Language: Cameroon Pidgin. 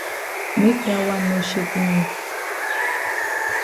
Make dat wan no shaken you.